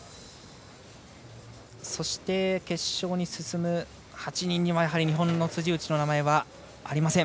そして、決勝に進む８人には日本の辻内の名前はありません。